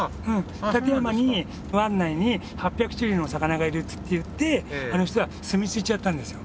館山に湾内に８００種類のお魚がいるっていってあの人は住み着いちゃったんですよ。